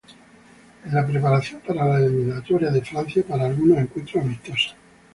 En la preparación para las Eliminatorias a Francia, para algunos encuentros amistosos.